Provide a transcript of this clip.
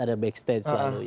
ada back stage